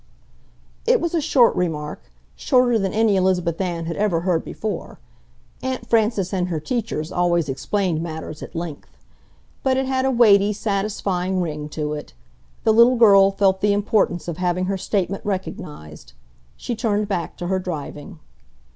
It was a short remark, shorter than any Elizabeth Ann had ever heard before. Aunt Frances and her teachers always explained matters at length. But it had a weighty, satisfying ring to it. The little girl felt the importance of having her statement recognized. She turned back to her driving.